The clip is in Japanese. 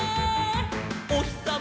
「おひさま